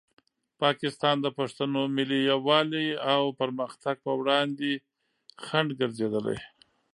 پاکستان د پښتنو ملي یووالي او پرمختګ په وړاندې خنډ ګرځېدلی.